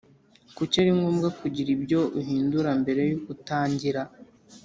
Kuki ari ngombwa kugira ibyo uhindura mbere y uko utangira